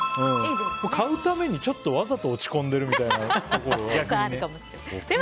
買うためにちょっとわざと落ち込んでいるところも。